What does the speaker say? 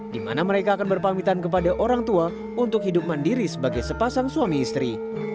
di mana mereka akan berpamitan kepada orang tua untuk hidup mandiri sebagai sepasang suami istri